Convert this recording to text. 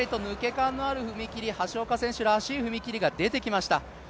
間のある橋岡選手らしい踏み切りが出てきました。